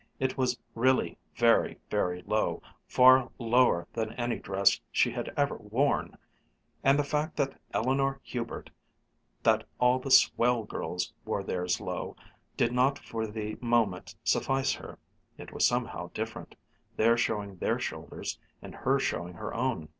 It was really very, very low, far lower than any dress she had ever worn! And the fact that Eleanor Hubert, that all the "swell" girls wore theirs low, did not for the moment suffice her it was somehow different their showing their shoulders and her showing her own.